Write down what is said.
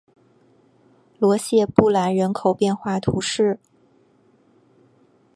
罗谢布兰人口变化图示